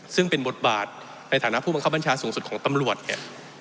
ซึ่งเป็นบทบาทในฐานะผู้บังคับบัญชาสูงสุดของตำรวจเนี่ย